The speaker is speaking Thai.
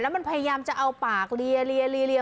มันพยายามจะเอาปากเลีย